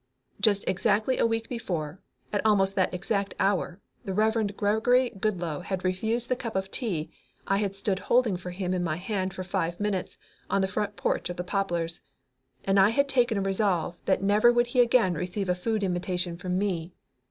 Just exactly a week before, at almost that exact hour, the Reverend Gregory Goodloe had refused the cup of tea I had stood holding for him in my hand for five minutes on the front porch of the Poplars, and I had taken a resolve that never would he again receive a food invitation from me.